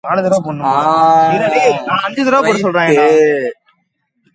An arrangement between villages in the electorate saw him elected unopposed.